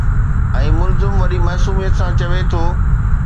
۽ ملزم وڏي معصوميت سان چوي ٿو.